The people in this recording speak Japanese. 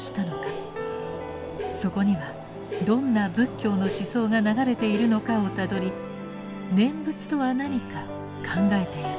そこにはどんな仏教の思想が流れているのかをたどり念仏とは何か考えてゆきます。